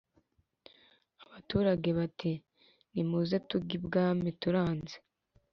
Abaturage Bati: "Nimuze tujye ibwami turanze